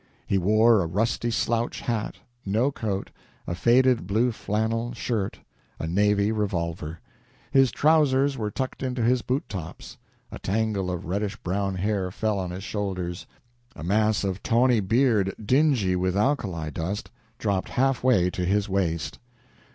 He wore a rusty slouch hat, no coat, a faded blue flannel shirt, a navy revolver; his trousers were tucked into his boot tops; a tangle of reddish brown hair fell on his shoulders; a mass of tawny beard, dingy with alkali dust, dropped half way to his waist.